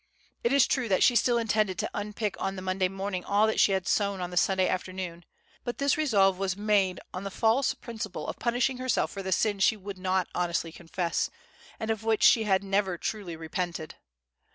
It is true that she still intended to unpick on the Monday morning all that she had sewn on the Sunday afternoon; but this resolve was made on the false principle of punishing herself for the sin she would not honestly confess, and of which she had never truly repented.